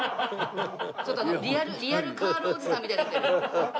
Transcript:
ちょっとリアルカールおじさんみたいになってる。